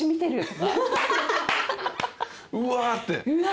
うわって。